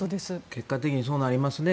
結果的にそうなりますね。